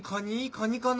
カニかな？